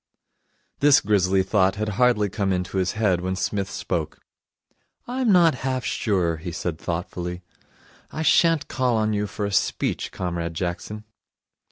This grisly thought had hardly come into his head, when Psmith spoke. 'I'm not half sure,' he said thoughtfully, 'I sha'n't call on you for a speech, Comrade Jackson.'